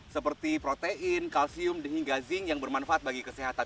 seperti protein kalsium hingga zinc yang bermanfaat bagi kesehatan